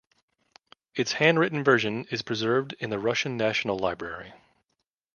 Its hand-written version is preserved in the Russian National Library.